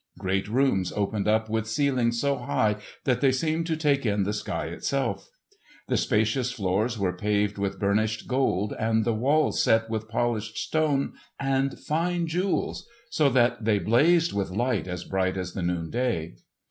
Great rooms opened up with ceilings so high that they seemed to take in the sky itself. The spacious floors were paved with burnished gold, and the walls set with polished stone and fine jewels, so that they blazed with light as bright as the noonday.